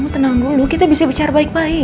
tenang dulu kita bisa bicara baik baik